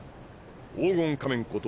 黄金仮面こと